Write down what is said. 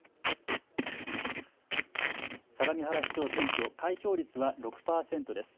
相模原市長選挙開票率は６％です。